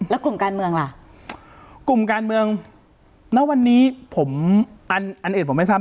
แล้วกลุ่มการเมืองล่ะกลุ่มการเมืองณวันนี้ผมอันอันอื่นผมไม่ทราบ